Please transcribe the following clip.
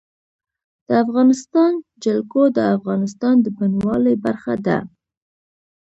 د افغانستان جلکو د افغانستان د بڼوالۍ برخه ده.